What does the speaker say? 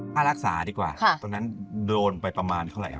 ค่ารักษาดีกว่าตอนนั้นโดนไปประมาณเท่าไหร่ครับ